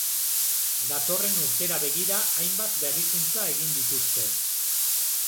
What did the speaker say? Datorren urtera begira, hainbat berrikuntza egin dituzte.